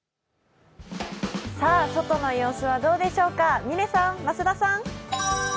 外の様子はどうでしょうか、嶺さん、増田さん。